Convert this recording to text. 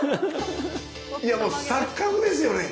いやもう錯覚ですよね！